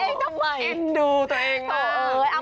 จะเล่นตัวเองทำไมโอ้โฮเอิ้นดูตัวเองมากโอ้โฮเอ้ย